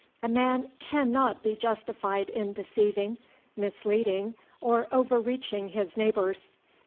A man can not be justified in deceiving, misleading, or overreaching his neighbors.